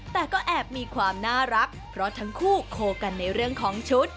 แต่ก็แอบมีความน่ารักเพราะทั้งคู่โคกันในเรื่องของชุด